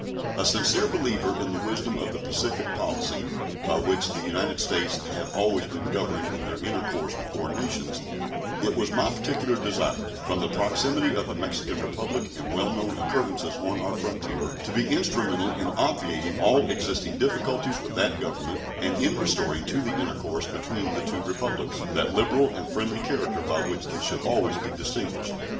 A sincere believer in the wisdom of the pacific policy by which the United States have always been governed in their intercourse with foreign nations, it was my particular desire, from the proximity of the Mexican Republic and well known occurrences on our frontier, to be instrumental in obviating all existing difficulties with that Government and in restoring to the intercourse between the two Republics that liberal and friendly character by which they should always be distinguished.